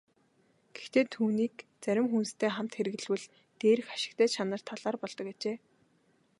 Гэхдээ түүнийг зарим хүнстэй хамт хэрэглэвэл дээрх ашигтай чанар талаар болдог ажээ.